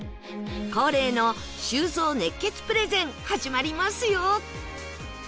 恒例の修造熱血プレゼン始まりますよ